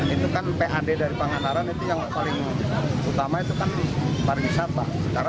itu kan pad dari panganaran itu yang paling utama itu kan pariwisata